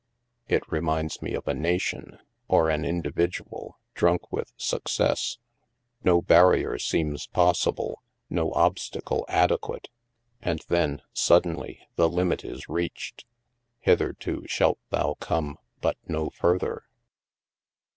It reminds me of a nation, or an individual, drunk with success. No barrier seems possible, no obstacle adequate. And then, suddenly, the limit is reached. * Hitherto shalt thou come, but no further.'